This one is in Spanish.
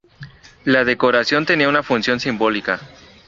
La decoración tenía una función simbólica.